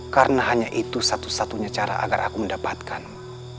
karena hanya itu satu satunya cara agar aku mendapatkanmu